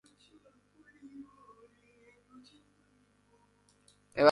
ডিডো গ্লাসগোর ইয়ারো দ্বারা নির্মিত হয়েছিল।